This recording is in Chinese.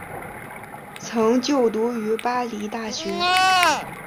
曾就读于巴黎大学。